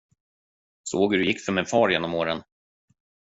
Såg hur det gick för min far genom åren.